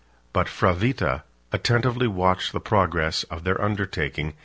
But Fravitta attentively watched the progress of their undertaking.